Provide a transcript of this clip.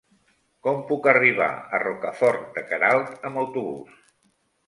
Com puc arribar a Rocafort de Queralt amb autobús?